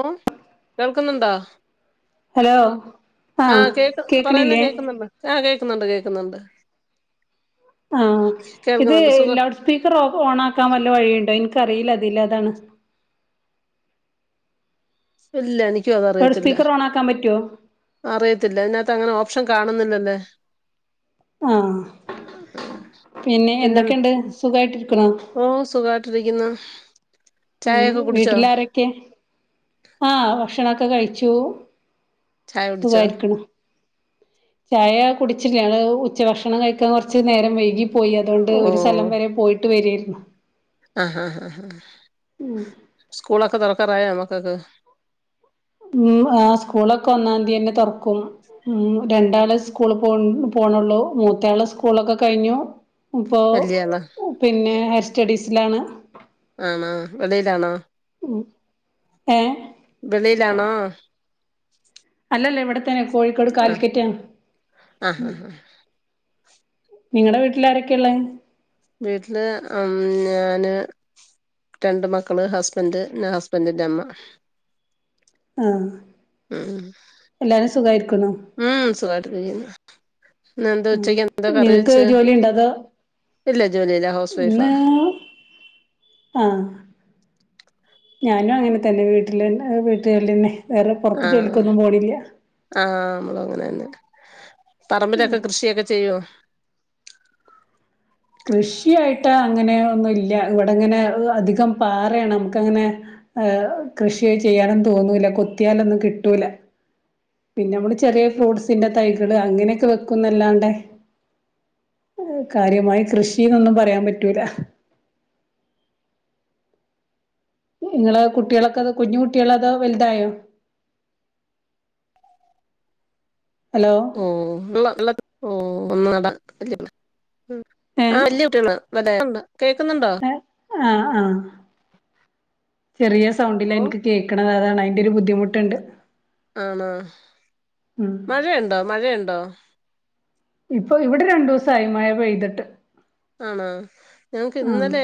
ഓഹ് കേൾക്ക്ന്ന്ണ്ടൊ? ഹലോ ഹാ ആഹ് കേക്ക് പറയുന്ന കേക്കണില്ലേ കേക്ക്ന്നുണ്ട്. ആഹ് കേക്ക്ന്നുണ്ട് കേക്ക്ന്നുണ്ട്. ആഹ് ഇത് കേൾക്കുന്നുണ്ട് സുഖ ലൗഡ്സ് സ്പീക്കർ ഓണാക്കാ വല്ല വഴീണ്ടൊ? ഇൻക്കറീല. ഇതിലഅതാണ്. ഇല്ല നിക്കു ലൗഡ് അതറിയത്തില്ല. സ്പീക്കർ ഓണാക്കാൻ പറ്റുവോ അറിയത്തില്ല. ഇതിനാത്ത് അങ്ങനെ ഓപ്ഷൻ കാണുന്നില്ലല്ല? ആഹ് ആ, പിന്നെ എന്തൊക്കെണ്ട് സുഖായിട്ട്. ഇരിക്കുണൊ ഓഹ് സുഖാവായിട്ടിരിക്കുന്നു. ഉം വീട്ടിലാരൊക്കെ? ആഹ് ഭക്ഷണൊക്ക കഴിച്ചു. ചായ കുടിച്ചോ സുഖാരിക്ക്ണ് ചായ കുടിച്ചില്ല. ഞങ്ങള് ഉച്ച ഭക്ഷണം കഴിക്കാൻ കൊറ്ച്ച് നേരം വൈകി പോയി. അതോണ്ട് ഓ ഒരു സ്ഥലം വരെ പോയിട്ട് വരേര്ന്ന് ആഹ് ഹാ ഹാ ഹാ സ്കൂളൊക്ക തൊറക്കാറായ മകക്ക്. ഉം ആഹ് സ്കൂളൊക്ക ഒന്നാംതിയെന്നെ തൊറ്ക്കും. ഉം രണ്ടാളെ സ്കൂളി പോൺ പോണൊള്ളു. മൂത്തയാള് സ്കൂളൊക്ക കഴിഞ്ഞു. ഇപ്പോ വലിയ ആളാ പിന്നെ ഹെയർ സ്റ്റഡീസ്ലാണ്. ആണോ വെളിയിലാണൊ? ഉം ഏഹ് വെളിയിലാണോ? അല്ലല്ല. ഇവടെ തന്നെ കോഴിക്കോട് ആ കാലിക്കറ്റാണ് ആ ഹാ ഹാ നിങ്ങടെ വീട്ട്ലാരെക്കെള്ളെ? വീട്ട്ല് അം ഞാന്, രണ്ട് മക്കള് ഹസ്ബൻഡ്. പിന്ന ഹസ്ബൻഡിന്റെ അമ്മ. ആഹ് ഉം എല്ലാരും സുഖായിരിക്കണോ ഉം സുഖായിട്ടിരിക്ക്ന്ന്. ഇന്നെന്ത് ഉച്ചെക്കെന്ത കറി നിങ്ങക്ക് വെച്ച്. ജോലി ഉണ്ടോ അതോ ഇല്ല ജോലില്ല. ഹോ ഇന്ന് ആഹ് ഞാനും അങ്ങനെ തന്നെ വീട്ട്ല് ഏഹ് വീട്ട് ജോലിന്നെ. വേറെ പൊറത്ത് ആഹ് ജോലിക്കൊന്നും പോണില്യാ. ആഹ് നമ്മളും അങ്ങനെന്നെ. പറമ്പിലൊക്ക കൃഷിയൊക്കെ ചെയ്യോ. കൃഷിയായിട്ട് അങ്ങനെ ഒന്നു ഇല്ല. ഇവിടങ്ങനെ അധികം പാറേണ്. നമുക്കങ്ങനെ കൃഷി ചെയ്യാനൊന്നും തോന്നൂല്ല. കൊത്തിയാലൊന്നും കിട്ടൂല. പിന്നെ നമ്മള് ചെറിയ ഫ്രൂട്ട്സിന്റെ തൈകള് അങ്ങനെയൊക്ക വെക്കുന്നല്ലാണ്ടെ. കാര്യമായി കൃഷീന്നൊന്നും പറയാ പറ്റൂല ഇങ്ങള കുട്ടീളൊക്ക കുഞ്ഞു കുട്ടീള, അതോ വല്തായോ ഹലോ ഓഹ് ഇള്ള ഇള്ള ഓഹ്. ഒന്ന് നട ഇല്ല്യ ഇബളെ ഏഹ് ആഹ് വല്യ കുട്ടീളാ മറ്റെ കേക്ക്ന്നുണ്ടോ ആഹ് ആഹ് ചെറിയ സൗണ്ടിൽ ഓ എനിക്ക് കേൾക്കണത്. അതാണ്, അതിന്റെ ഒരു ബുദ്ധിമുട്ടുണ്ട് ആണോ ഉം മഴയുണ്ടോ, മഴയുണ്ടോ ഇപ്പൊ ഇവിടെ രണ്ടു ദിവസം ആയി മഴ പെയ്തിട്ട്. ആണോ. ഞങ്ങക്ക് ആഹ് ഇന്നലെ,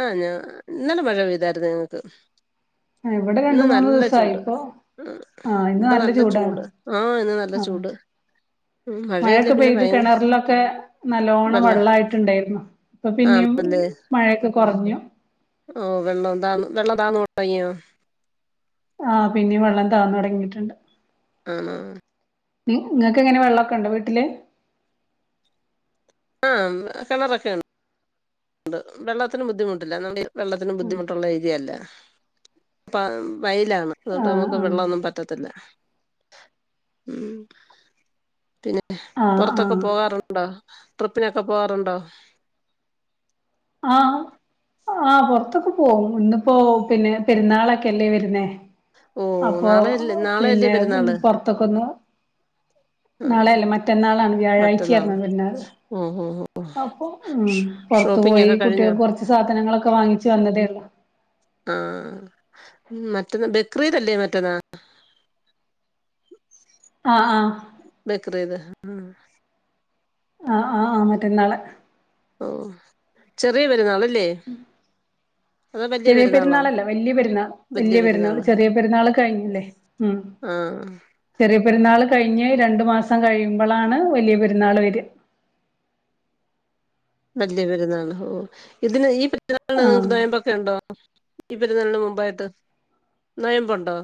ആ ഇന്നലെ മഴ പെയ്തായിരുന്നു. ഞങ്ങക്ക് ഇവിടെ രണ്ട് മൂന്ന് ദിവസായിപ്പോ. ഉം ഇവിടെ നല്ല ചൂട്. ആഹ് ഇന്ന് നല്ല ആഹ് ചൂട്. ഉം മഴയില്ല മഴയൊക്കെ പിന്നെ പെയ്ത് ഭയങ്ക കിണറിലൊക്കെ നല്ലോണ്ണം വെള്ളം വെള്ളായിട്ടുണ്ടായിരുന്നു. ഇപ്പൊ പിന്നെയും ആണല്ലേ മഴയൊക്കെ കുറഞ്ഞു ഓ വെള്ളം താ, വെള്ളം താണു തുടങ്ങിയോ. ആ പിന്നെയും വെള്ളം താഴ്ന്ന് തുടങ്ങിയിട്ടുണ്ട്. ആണോ നിങ്ങൾക്ക് എങ്ങനെ വെള്ളമൊക്കെ ഉണ്ടോ വീട്ടില്. ആ കിണറൊക്കെ ഉണ്ട്. വെള്ളത്തിന് ബുദ്ധിമുട്ടില്ല. നമ്മടെ വെള്ളത്തിന് ബുദ്ധിമുട്ടുള്ള ഏരിയല്ല. വയിലാണ്. അതുകൊണ്ട് ആഹ് നമുക്ക് ആഹ് വെള്ളമൊന്നും വറ്റത്തില്ല. ഉം. പിന്നെ ആഹ് പുറത്തൊക്കെ ആഹ് പോകാറുണ്ടോ. ഉണ്ടോ. ട്രിപ്പിനൊക്കെ പോവാറുണ്ടോ ആഹ് ആ പുറത്തൊക്കെ പോകും. ഇന്നിപ്പോ പിന്നെ പെരുന്നാളൊക്കെല്ലേ വരുന്നേ. ഓ അപ്പൊ നാളെയല്ലേ നാളെയല്ലേ പിന്നെ പെരുന്നാള് പൊറത്തൊക്കൊന്ന് നാളെ ആഹ് അല്ല, മറ്റന്നാളാണ് വ്യാഴാഴ്ചയാണ് മറ്റന്നാള് പെരുന്നാള് ഓ ഓ ഓ അപ്പൊ ഉം. പുറത്തു ഷോപ്പിംഗ് പോയി ഒക്കെ കഴിഞ്ഞോ കുട്ടികൾക്ക് കുറച്ച് സാധനങ്ങളൊക്കെ വാങ്ങിച്ച് വന്നതേ ഉള്ളൂ ആ മറ്റന്ന് ബക്രീദ് അല്ലേ മറ്റന്നാൾ. ആഹ് ആഹ് ബക്രീദ്. ഉം. ആഹ് ആഹ് ആ മറ്റേന്നാളെ ഓ ചെറിയ പെരുന്നാളല്ലേ [inaudible] അതോ വലിയ ചെറിയ പെരുന്നാളോ പെരുന്നാളല്ല. വലിയ പെരുന്നാൾ, വലിയ പെരുന്നാൾ, ചെറിയ പെരുന്നാൾ കഴിഞ്ഞില്ലേ ഉം ആഹ് ചെറിയ പെരുന്നാൾ കഴിഞ്ഞ് രണ്ടു മാസം കഴിയുമ്പോളാണ് വലിയ പെരുന്നാള് വരുക വലിയ പെരുന്നാൾ. ഓ. ഇതിന് ഈ പെരുന്നാളിന് ആഹ് നോമ്പ് ഒക്ക ഉണ്ടോ ഈ പെരുന്നാളിന് മുമ്പായിട്ട് നൊയമ്പുണ്ടോ.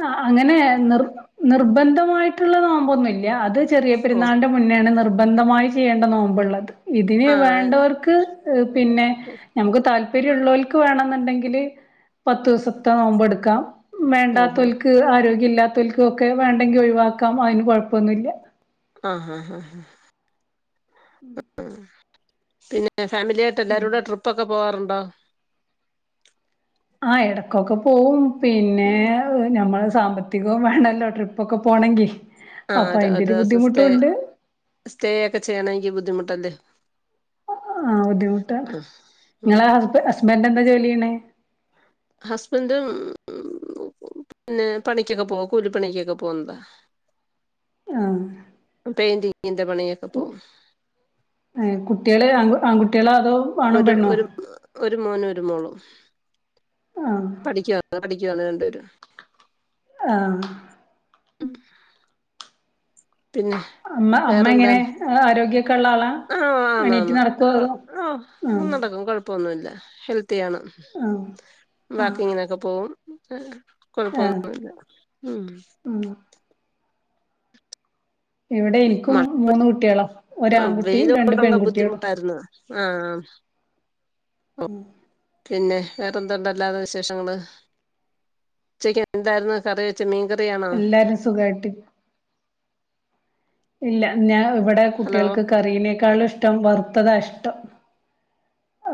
ആ.. അങ്ങനെ നിർ, നിർബന്ധമായിട്ടുള്ള നോമ്പൊന്നുമില്ല. അത് ചെറിയ ഓ പെരുന്നാളിന് മുന്നാണ് നിർബന്ധമായി ചെയ്യേണ്ട നോമ്പുള്ളത്. ഇതിന് ആ വേണ്ടവർക്ക് പിന്നെ നമുക്ക് താല്പര്യം താല്പര്യം ഉള്ളവർക്ക് വേണെന്നുണ്ടെങ്കില് പത്ത് ദിവസത്തെ നോമ്പ് എടുക്കാം. വേണ്ടാ ഓഹോ ആരോഗ്യമില്ലാത്തവൽക്കൊക്കെ വേണ്ടെങ്കിൽ ഒഴിവാക്കാം. അതിന് കുഴപ്പൊന്നുംമില്ല ആഹ് ഹാ ആഹ് ഹാ പിന്നെ ഫാമിലിയായിട്ട് എല്ലാരൂടെ ട്രിപ്പൊക്കെ പോവാറുണ്ടോ? ആഹ് എടക്കൊക്കെ പോവും പിന്നെ ഉം ഞമ്മളെ സാമ്പത്തികോം വേണല്ലോ ട്രി പ്പൊക്കെ പോണെങ്കി ആ അപ്പൊ ഒരു ഒരു അയിൻ്റൊരു ദിവസം സ്റ്റേ ബുദ്ധിമുട്ടുണ്ട്. സ്റ്റേ ഒക്കെ ചെയ്യണെങ്കി ബുദ്ധിമുട്ടല്ലേ. ആഹ് ബുദ്ധിമുട്ടാ ആ ഉം ഇങ്ങളെ ഹസ്ബ ഹസ്ബൻ്റെന്താ ജോലിചെയ്യണെ ഹസ്ബൻ്റും പിന്നെ പണിക്കൊക്കെ പോവു കൂലിപ്പണിക്കൊക്കെ പോവുന്നതാ. ആഹ് പെയിന്റിങ്ങിൻ്റെ പണിയൊക്കെ പോവും. ഏഹ് കുട്ടികള് ആൺ ആൺകുട്ടിയാളോ അതോ? ആണും ഒരു പെണ്ണോ ഒരു ഒരു മോനും ഒരു മോളും പഠിക്കുവാ പഠി ക്കുവാണ് രണ്ടുപേരും. ആഹ് ഉം പിന്നെ? അമ്മ അമ്മ എങ്ങനെ വേറെന്താണ് ആരോഗ്യൊക്കെ ഉള്ള ആളാ ആഹ് എണീറ്റ് ആന്നാന്ന് നടക്കോ കൊ അതോ ആഹ് ഓഹ് നടക്കും കൊഴ പ്പൊന്നുല്ല ഹെൽത്തിയാണ് ആഹ് ആഹ് ബിക്കി ഇങ്ങനൊക്കെ പോവും. കൊഴപ്പൊന്നൂല്ല ഉം. ഉം ഇവിടെ എനിക്കും മഴ മൂന്ന് കുട്ട്യോളാ ഒരാൺകുട്ടിയും വെയില് രണ്ട് കൊണ്ടുള്ള പെൺകുട്ടിയാളും. ബുദ്ധിമുട്ടായിരുന്നു ആഹ് ഉം പിന്നെ വേറെന്തൊണ്ടല്ലാതെ വിശേഷങ്ങള്? ഉച്ചക്കെന്തായിരുന്നു? കറി വെച്ച് മീൻ കറി ആണോ? ല്ലാരും സുഖായിട്ട് ഇല്ല ഞാൻ ഇവിടെ ഹലോ കുട്ടികൾക്ക് കറീനേക്കാളും ഇഷ്ടം വറുത്തതാ ഇഷ്ടം.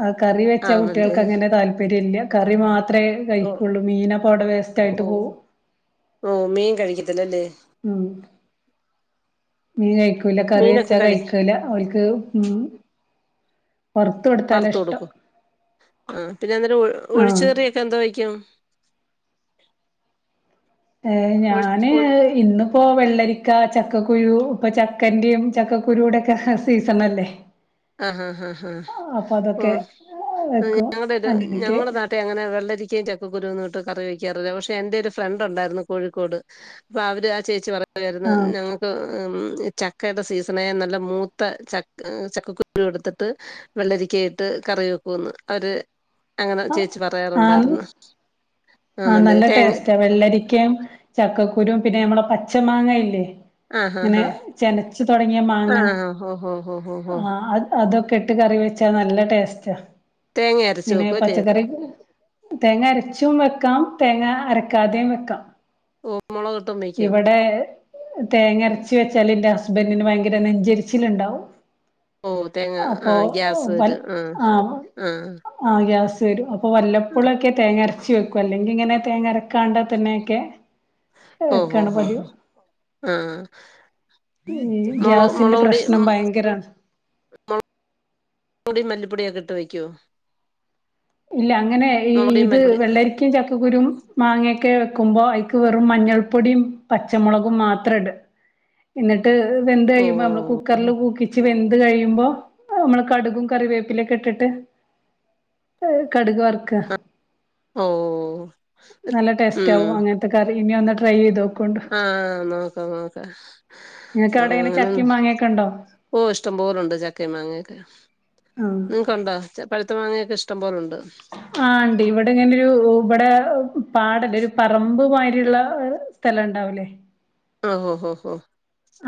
ആഹ് കറി വെച്ചാ ആണല്ലേ കുട്ടിയാൾക്കങ്ങനെ താല്പര്യല്ല കറി മാ ത്രേ ഓ കഴിക്കൊള്ളൂ മീനപ്പവടെ വേസ്റ്റായിട്ട് ഓ പോവും. ഓ മീൻ കഴിക്കത്തില്ല അല്ലേ? ഉം മീൻ കഴിക്കൂല കറി മീനൊക്കെ വെച്ചാ കഴി കഴിക്കൂല ഓല്ക്ക് ഉം വറുത്ത് കൊടുത്താലാ വറത്ത് ഇഷ്ടം കൊടുക്കും ആഹ് പിന്നെന്തേലും ഒഒഴിച്ചു ആഹ് കറി എന്തോ വെയ്ക്കും? ഏഹ് ഞാന് ഒഴി ഇന്ന് ഇപ്പോ വെള്ളരിക്ക, ചക്കക്കുരു ഇപ്പോ ചക്കൻ്റിം ചക്കക്കുരൂടൊക്കെ സീസണല്ലേ. [unintelligible] അഹ് അഹ് അഹ് അപ്പൊ അതൊക്കെ ഓഹ് വെക്കും ഞങ്ങടൊരു അങ്ങനെയൊക്കെ ഞങ്ങട നാ അങ്ങനെ വെള്ളരിക്കയും ചക്കക്കുരുവൊന്നുവിട്ട് കറി വെക്കാറില്ല. പക്ഷെ എന്റെ ഒരു ഫ്രണ്ട്ണ്ടായിരുന്നു കോഴിക്കോട് അപ്പൊ അവര് ആഹ് ചേച്ചി പറ യാരുന്നു ആഹ് ഞങ്ങക്ക് അ് ചക്കയുടെ സീസണേ നല്ല മൂത്ത ചക് ചക്ക കു രു എടുത്തിട്ട് വെള്ളരിക്കയിട്ട് കറി വെക്കുന്ന്. അവര് അങ്ങനെ ചേച്ചി ആഹ് പറയാറുണ്ടായിരുന്നു. ആഹ് ആണല്ലേ നല്ല തേങ്ങ ടേസ്റ്റാ വെള്ളരിക്കേം ചക്കക്കുരും പിന്നെ നമ്മളെ പച്ച മാങ്ങ ഇല്ലേ ആ ഹാ ഇങ്ങനെ ഹാ ചെനച്ച് തൊടങ്ങിയ ആ മാങ്ങ ഹോ ഹോ ഹോ ഹോ ഹോ ആഹ് അത് അതൊക്കെ ഇട്ട് കറി വെച്ചാ നല്ല ടേസ്റ്റാ തേങ്ങ അരച്ച് ഇങ്ങനെ വെക്കും അല്ലേ പച്ചക്കറി തേങ്ങ അരച്ചും വെക്കാം, തേങ്ങ അരക്കാതെയും വെക്കാം. ഓഹ് മൊളകിട്ടും വെക്കും? ഏഹ് തേങ്ങരച്ച് വെച്ചാല് ഇന്റെ ഹസ്ബൻ്റിന് ഭയങ്കര നെഞ്ചെരിച്ചിലുണ്ടാവും. ഓഹ് തേങ്ങ ആഹ് ഗ്യാസ് വരും ആഹ് ആഹ്. ആഹ് ഗ്യാസ് വരും. അപ്പൊ വല്ലപ്പുളൊക്കെ തേങ്ങരച്ച് വെ കൊല്ലെങ്കി ഇങ്ങനെ തേങ്ങ അരക്കാണ്ട തന്നെയൊക്കെ ഓ ഹോ വെക്കാണ് ഹോ പതിവ് ഹോ ആ മുളക് ഗ്യാസിന്റെ പ്രശ്നം ഭയങ്കരാണ് പൊട [inaudible] മല്ലിപ്പൊടിയ ഒക്കെ ഇട്ട് വയ്ക്കുവോ ഇല്ല അങ്ങനെ ഈ മുളകുപൊടിയും ഇത് മല്ലിപ്പൊടി വെള്ള ക്കും ചക്കക്കുരുയും മാങ്ങയൊക്കെ വെക്കുമ്പോൾ അയ്ക്ക് വെറും മഞ്ഞൾപ്പൊടിയും പച്ചമുളകും മാത്ര ഇട് എന്നിട്ട് വെന്ത് ഓ കഴിയുമ്പോ നമ്മള് കുക്കറിൽ കുക്കിച് വെന്ത് കഴിയുമ്പോ നമ്മള് കടുകും കറിവേപ്പിലൊക്കെ ഇട്ടിട്ട് ഏഹ് കടുക് വർക്കാ ഓഹ് ഉം ക്കറി [unintelligible] ആഹ് നോക്കാം നോക്കാം നിങ്ങൾക്ക് അവിടെ ഇങ്ങനെ അങ്ങനെന്ന ചക്കയും മാങ്ങയൊക്കെ ഉണ്ടോ ഓഹ് ഇഷ്ടം പോലണ്ട് ചക്ക മാങ്ങൊക്കെ ആഹ് നിങ്ങക്കണ്ടോ ച പഴുത്ത മാങ്ങയൊക്കെ ഇഷ്ടം പോലെ ഉണ്ട് ആഹ് ഇണ്ട് ഇവിടെ ഇങ്ങനെ ഒരു ഇവിടെ പാടല്ല ഒരു പറമ്പ് മാരിള്ള സ്ഥലണ്ടാവൂലേ ഓഹ് ഓഹ് ഓഹ്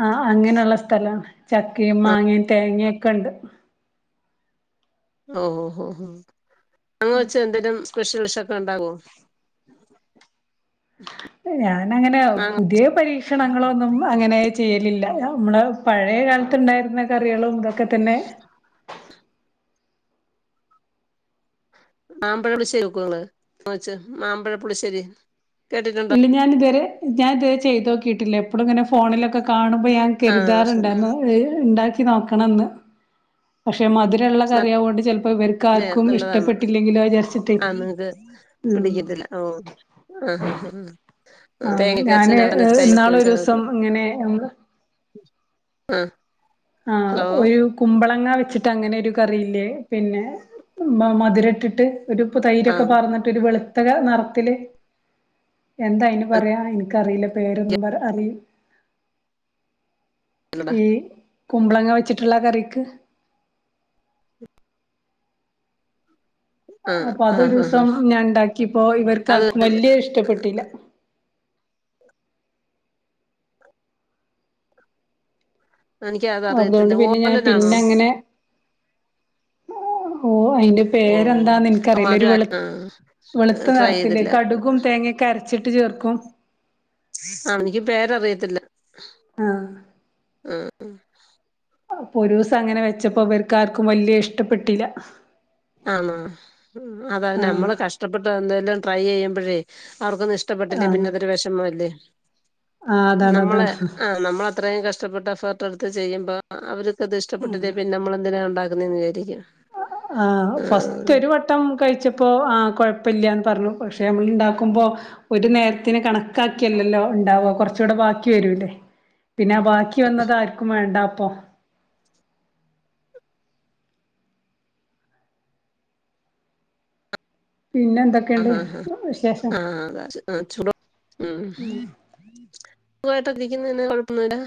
ആഹ് അങ്ങനെള്ള സ്ഥലണ് ചക്കയും ആ മാങ്ങയും തേങ്ങൊക്കൊണ്ട് ഓ ഓ ഓ ഹോ ങ്ങങ് വെച്ച എന്തേങ്കലും സ്പെഷ്യൽ ഡിഷക്കെ ഉണ്ടാക്കോ ഞാനങ്ങനെ മാങ്ങ പുതിയ പരീക്ഷ ഭക്ഷണങ്ങളൊന്നും അങ്ങനെ ചെയ്യലില്ല നമ്മൾ പഴയ കാലത്തുണ്ടായിരുന്ന കറികളും ഇതൊക്കെ തന്നെ മാമ്പഴപ്പളി്ശരി നക്ക [unintelligible] മാമ്പഴപ്പളി്ശരി കേട്ടിട്ട ഞാന ഇതുവരെ ഞാന ഇതുവരെ ചെയ്തോക്കിയിട്ടില്ല എപ്പോഴും ഇങ്ങനെ ഫോണിലോക്കെ കാണുമ്പോ ഞാൻ ആഹ് കരുതാറുണ്ടർന്നു ഉണ്ടാക്കി നോക്കണംന്ന് പക്ഷെ മധുരള്ള കറിയാവുകൊണ്ട് ചിലപ്പോ ഇവർക്ക് നല്ല ആർക്കും നല്ലതാണ് ഇഷ്ടപ്പെട്ടില്ലെങ്കിലോ വിചാരിച്ചിട്ടെ ആ നിങ്ങക്ക് പിടിക്കത്തില്ല ഓഹ് ആഹ് ആഹ് ആഹ് തേങക്കെ ഞാന് അരച്ച് ഇന്നാളൊരു ദിവസം ഇങ്ങനെ [unintelligible] ആഹ് ആഹ് ഒരു കുമ്പളങ്ങ വെച്ചിട്ട് അങ്ങനെ ഒരു കറിയില്ലേ പിന്നെ മധുര ഇട്ടിട്ട് ഒരുപ്പ തൈരൊക്കെ ആഹ് പാർന്നിട്ട് ഒരു വെളുത്തക നിറത്തില് എന്തായ്ന് പറയാ എനിക്കറിയില്ല പേരൊന്നും പറ അറി അല്ലടാ ഇ കുമ്പളങ്ങ വെച്ചിട്ടുള്ള കറിക്ക് ആഹ് അപ്പൊ അതൊരു ആഹ് ആഹ് ദിവസം ആഹ് ഞാൻ ഉണ്ടാക്കിപ്പോ അത് ഇവർക്കാർക്കും വല്യ ഇഷ്ടപ്പെട്ടില്ല എനക്ക് അത അറിയത്തില്ല അതുകൊണ്ട് പിന്നെ ഞാൻ ഓലനാണോ പിന്നെ അങ്ങനെ ഓഹ് അതിന്റെ ഓ പേരെന്താന്ന് എനിക്കറിയില്ല ഒരു മധുര ആഹ് വെളുത്ത ട്രൈ നിറത്തില്ലേ ചെയ്തില്ല കടുകും തേങ്ങ കരച്ചിട്ട് ചേർക്കും ആഹ് എനിക്ക് പേരറിയത്തില്ല ആഹ് ആഹ് അപ്പൊ ഒരു ദിവസം അങ്ങനെ വെച്ചപ്പോ ഇവർക്ക് ആർക്കും വലിയ ഇഷ്ടപ്പെട്ടില്ല ആണോ അത ആഹ് നമ്മള് കഷ്ടപ്പെട്ട് എന്തെലും ട്രൈ ചെയ്യുമ്പഴേ അവർക്കത് ഇഷ്ട ഇഷ്ടപ്പെട്ടില്ലേ ആഹ് പിന്നെ അതൊരു വിഷമമല്ലേ ആഹ് അതാണ് നമ്മള് അതാണ് ആഹ് നമ്മള അത്രയും കഷ്ടപ്പെട്ട എഫേർട്ട് എടുത്ത് ചെയ്യുമ്പോ അവർക്കത് ഇഷ്ടപെട്ടി ല്ലേൽ പിന്നെ നമ്മളെന്തിന ഉണ്ട ന്ന് വിചാരിക്കും ആഹ് ഫസ്റ്റ് ഒരുവട്ടം കഴിച്ചപ്പോൾ ആ കുഴപ്പല്ലന്ന് പറഞ്ഞു പക്ഷേ നമ്മൾ ഉണ്ടാക്കുമ്പോ ഒരു നേരത്തിന് കണക്കാക്കിയല്ലല്ലോ ഉണ്ടാവുക കുറച്ചുകൂടെ ബാക്കി വരൂല്ലേ പിന്നെ ആഹ് ബാക്കി വന്നത് ആർക്കും വേണ്ട അപ്പൊ പിന്നെ എന്താ ആഹ് ആഹ് ആഹ് രാച് ആഹ് ചൂടുള്ള ഉം സുഖായിട്ട് ഇരിക്കുന്നന്നെ കൊഴപ്പന്നുല്ല